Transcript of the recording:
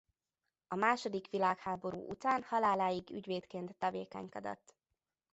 A második világháború után haláláig ügyvédként tevékenykedett.